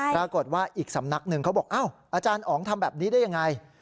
ปรากฏว่าอีกสำนักหนึ่งเขาบอกอ้าวอาจารย์อ๋องทำแบบนี้ได้ยังไง